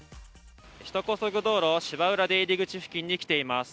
首都高速道路芝浦出入口付近に来ています。